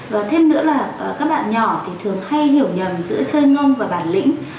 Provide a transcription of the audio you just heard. và thêm nữa là các bạn nhỏ thì thường hay hiểu nhầm giữa chơi ngon và bản lĩnh